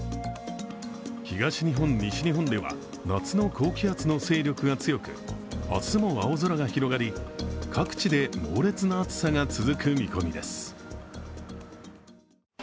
東日本、西日本では夏の高気圧の勢力が強く明日も青空が広がり、各地で猛烈な暑さが続く見込みです。